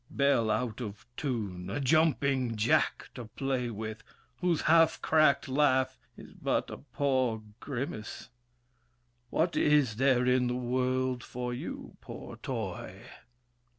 Bell out of tune, a jumping jack to play with, Whose half cracked laugh is but a poor grimace! What is there in the world for you, poor toy?